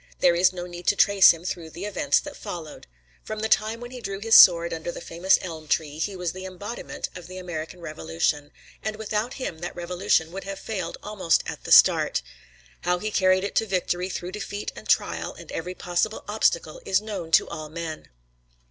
There is no need to trace him through the events that followed. From the time when he drew his sword under the famous elm tree, he was the embodiment of the American Revolution, and without him that revolution would have failed almost at the start. How he carried it to victory through defeat and trial and every possible obstacle is known to all men.